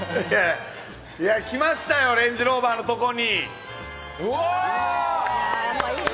来ましたよ、レンジローバーのとこに。